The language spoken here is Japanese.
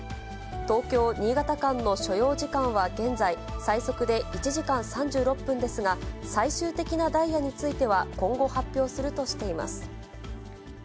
東京・新潟間の所要時間は現在、最速で１時間３６分ですが、最終的なダイヤについては今後、発表するとしています。